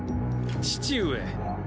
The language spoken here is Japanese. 父上。